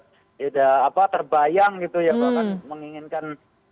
sudah apa terbayang gitu ya bahkan menginginkan